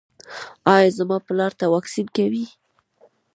ایا زما پلار ته واکسین کوئ؟